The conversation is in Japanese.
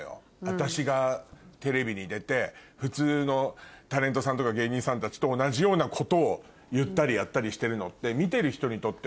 私がテレビに出て普通のタレントさんとか芸人さんたちと同じようなことを言ったりやったりしてるのって。